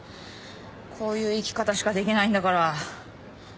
こういう生き方しかできないんだから。